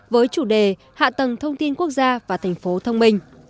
với chủ đề hạ tầng thông tin quốc gia và thành phố thông minh